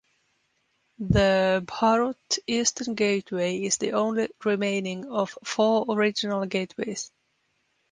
The Bharhut eastern gateway is the only remaining of four original gateways.